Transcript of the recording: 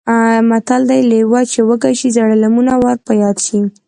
متل دی: لېوه چې وږی شي زاړه لمونه یې ور په یاد شي.